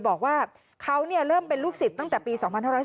บอกว่าเขาเริ่มเป็นลูกศิษย์ตั้งแต่ปี๒๕๕๙